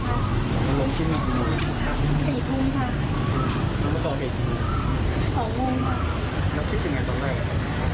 คิดว่าถ้าหนูได้ท้องไป